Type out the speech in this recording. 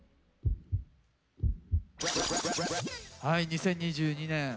はい２０２２年